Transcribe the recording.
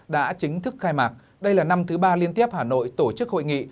đã chính thức khai mạc đây là năm thứ ba liên tiếp hà nội tổ chức hội nghị